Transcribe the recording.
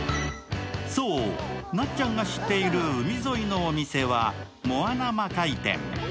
そう、なっちゃんが知っている海沿いのお店はモアナマカイ店。